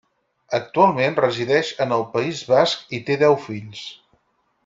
Actualment resideix en el País Basc i té deu fills.